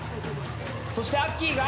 そしてアッキーが。